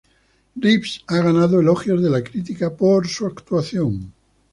Reeves ha ganado elogios de la crítica por su actuación.